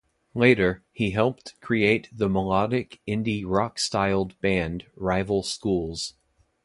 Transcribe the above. Later, he helped create the melodic indie rock-styled band Rival Schools.